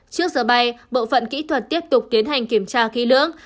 trước giờ bay bộ phận kỹ thuật tiếp tục tiến hành kiểm tra kỹ lưỡng